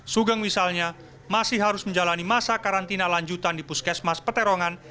sugeng misalnya masih harus menjalani masa karantina lanjutan di puskesmas peterongan